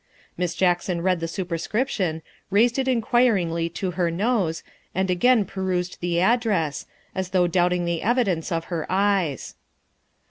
Miss Jackson read the superscription, raised it inquiringly to her nose, and again perused the address, as though doubting the evidence of her eyes.